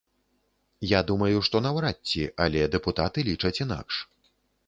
Я думаю, што наўрад ці, але дэпутаты лічаць інакш.